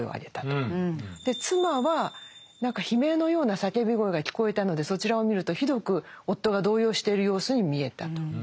妻は悲鳴のような叫び声が聞こえたのでそちらを見るとひどく夫が動揺している様子に見えたと。